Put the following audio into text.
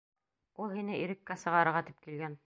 — Ул һине иреккә сығарырға тип килгән.